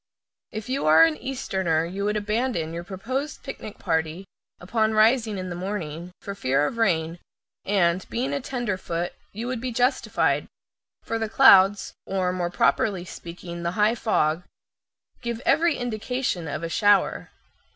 If you are an Easterner you would abandon your proposed picnic party, upon rising in the morning, for fear of rain, and, being a tenderfoot, you would be justified, for the clouds or, more properly speaking, the high fog give every indication of a shower.